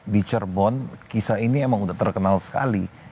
di cirebon kisah ini emang udah terkenal sekali